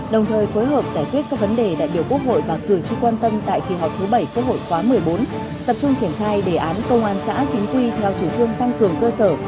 đồng thời phối hợp giải quyết các vấn đề đại biểu quốc hội và cử tri quan tâm tại kỳ họp thứ bảy quốc hội khóa một mươi bốn tập trung triển khai đề án công an xã chính quy theo chủ trương tăng cường cơ sở